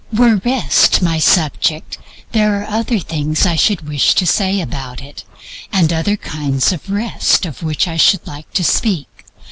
Were Rest my subject, there are other things I should wish to say about it, and other kinds of Rest of which I should like to speak.